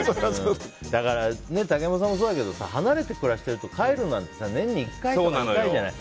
だから、竹山さんもそうだけど離れて暮らしてると帰るなんて年に１回か２回じゃない。